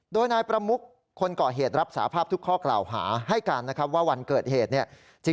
โดยนายประมุกคนก่อเหตุรับสาภาพทุกข้อกล่าวหาให้การนะครับว่าวันเกิดเหตุเนี่ย